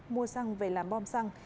mua xăng về làm bom xăng